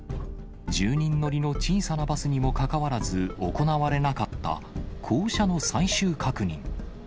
１０人乗りの小さなバスにもかかわらず、行われなかった降車の最終確認。